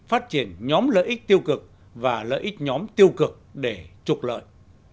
phát triển nhóm lợi ích tiêu cực và lợi ích nhóm tiêu cực để trục lợi